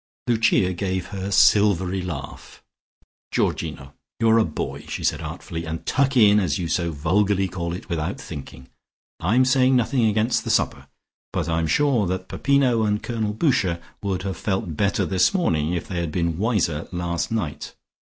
Lucia gave her silvery laugh. "Georgino, you are a boy," she said artfully, "and 'tuck in' as you so vulgarly call it without thinking, I'm saying nothing against the supper, but I'm sure that Peppino and Colonel Boucher would have felt better this morning if they had been wiser last night.